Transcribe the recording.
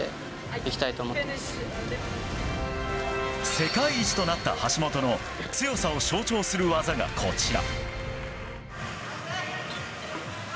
世界一となった橋本の強さを象徴する技がこちら。